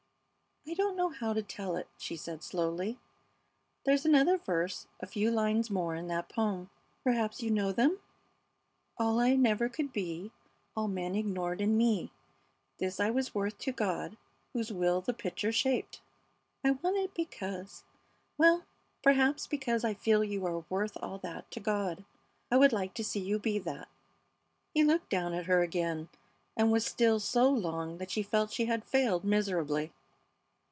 "I don't know how to tell it," she said, slowly. "There's another verse, a few lines more in that poem, perhaps you know them? 'All I never could be, All, men ignored in me, This I was worth to God, whose wheel the pitcher shaped.' I want it because well, perhaps because I feel you are worth all that to God. I would like to see you be that." He looked down at her again, and was still so long that she felt she had failed miserably.